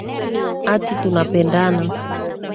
ati tunapendana